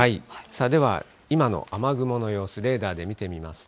では、今の雨雲の様子、レーダーで見てみますと。